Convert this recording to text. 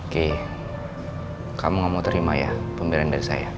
oke kamu gak mau terima ya pembelian dari saya